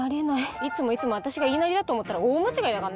いつもいつも私が言いなりだと思ったら大間違いだかんな。